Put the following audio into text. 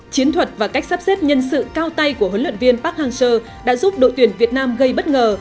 chiến thuật và cách sắp xếp nhân sự cao tay của huấn luyện viên park hang seo đã giúp đội tuyển việt nam gây bất ngờ